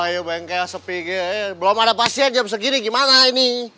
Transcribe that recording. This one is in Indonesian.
ayo bengkel sepi belum ada pasien jam segini gimana ini